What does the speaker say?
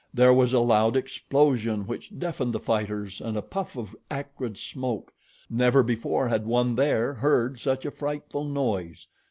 There was a loud explosion, which deafened the fighters, and a puff of acrid smoke. Never before had one there heard such a frightful noise.